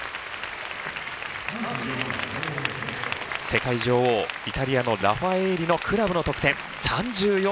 世界女王イタリアのラファエーリのクラブの得点３４．５００。